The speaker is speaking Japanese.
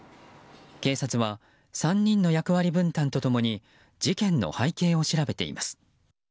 警察は、３人の役割分担と共に事件の背景を調べています。